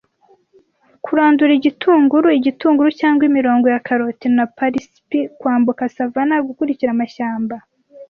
Kurandura igitunguru-igitunguru cyangwa imirongo ya karoti na parisipi, kwambuka savannas, gukurikira amashyamba,